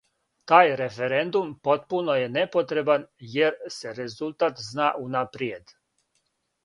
Тај референдум потпуно је непотребан, јер се резултат зна унапријед.